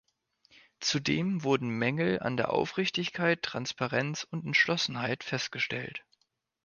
Zudem wurden Mängel an Aufrichtigkeit, Transparenz und Entschlossenheit festgestellt.